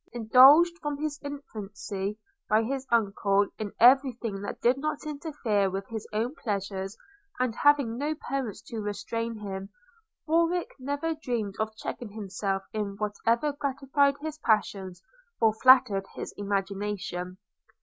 Indulged from his infancy, by his uncle, in every thing that did not interfere with his own pleasures, and having no parents to restrain him, Warwick never dreamed of checking himself in whatever gratified his passions or flattered his imagination.